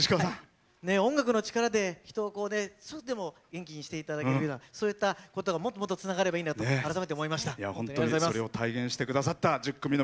音楽の力で人を少しでも元気にしていただけるようなそういったことがもっともっとつながればいいなと思います。